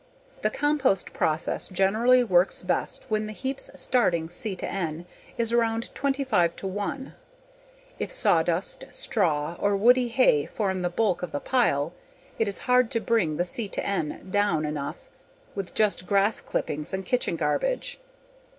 The compost process generally works best when the heap's starting C/N is around 25:1. If sawdust, straw, or woody hay form the bulk of the pile, it is hard to bring the C/N down enough with just grass clippings and kitchen garbage.